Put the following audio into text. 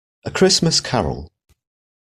A Christmas Carol.